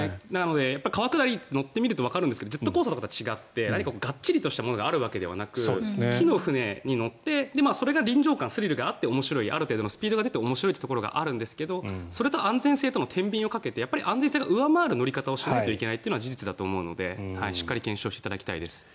川下り乗ってみるとわかるんですがジェットコースターと違ってがっちりとしたものがあるわけではなく木の船に乗ってそれが臨場感、スリルがあって面白いある程度のスピードが出て面白いというところがあるんですがそれと安全性とのてんびんをかけて安全性が上回る乗り方をしないといけないというのが事実だと思うので、しっかり検証していただきたいです。